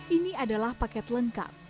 ini adalah paket lengkap